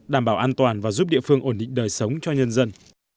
đảm bảo an toàn và giúp địa phương ổn định đời sống cho nhân dân